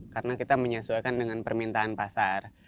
karena kita menyesuaikan dengan permintaan pasar